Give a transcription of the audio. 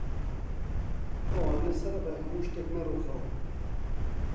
ئەوانە سەرەڕای هەموو شتێک نەڕووخاون